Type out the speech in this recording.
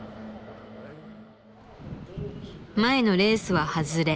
前のレースは外れ。